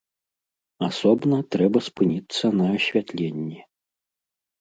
Асобна трэба спыніцца на асвятленні.